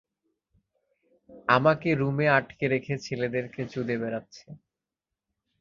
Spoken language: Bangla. আমাকে রুমে আটকে রেখে ছেলেদেরকে চুদে বেড়াচ্ছে।